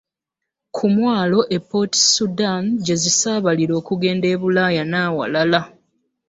Ku mwalo e Port Sudan gye zisaabalira okugenda e Bulaaya n'awalala.